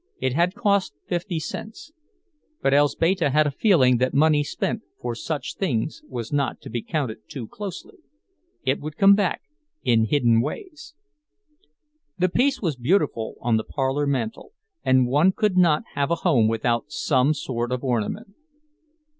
It had cost fifty cents; but Elzbieta had a feeling that money spent for such things was not to be counted too closely, it would come back in hidden ways. The piece was beautiful on the parlor mantel, and one could not have a home without some sort of ornament.